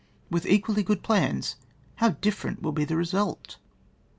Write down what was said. With equally good plans, how different will be the result